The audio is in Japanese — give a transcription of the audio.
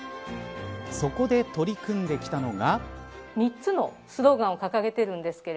そこで取り組んできたのが。